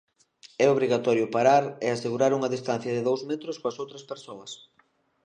É obrigatorio parar e asegurar unha distancia de dous metros coas outras persoas.